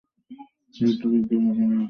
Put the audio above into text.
যুদ্ধ-বিগ্রহ বিনে তারা আর কিছুই বোঝে না।